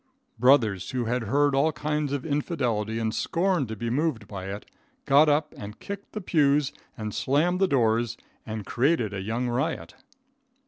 Brothers who had heard all kinds of infidelity and scorned to be moved by it, got up, and kicked the pews, and slammed the doors, and created a young riot.